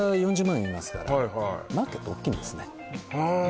人いますからマーケット大きいんですねで